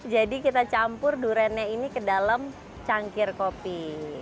jadi kita campur duriannya ini ke dalam cangkir kopi